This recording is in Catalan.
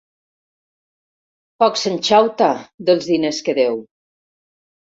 Poc se'n xauta, dels diners que deu!